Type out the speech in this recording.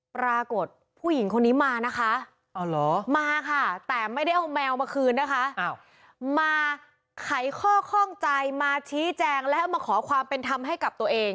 ปรากฏผู้หญิงคนนี้มานะคะมาค่ะแต่ไม่ได้เอาแมวมาคืนนะคะมาไขข้อข้องใจมาชี้แจงแล้วมาขอความเป็นธรรมให้กับตัวเอง